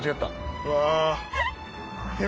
うわ。